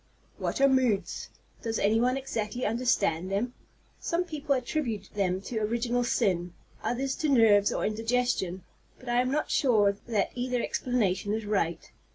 What are moods? Does any one exactly understand them? Some people attribute them to original sin, others to nerves or indigestion; but I am not sure that either explanation is right.